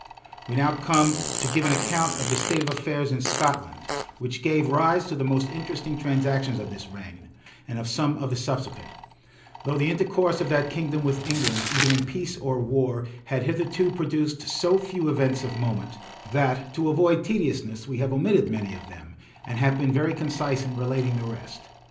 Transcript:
We now come to give an account of the state of affairs in Scotland, which gave rise to the most interesting transactions of this reign, and of some of the subsequent; though the intercourse of that kingdom with England, either in peace or war, had hitherto produced so few events of moment, that, to avoid tediousness, we have omitted many of them, and have been very concise in relating the rest.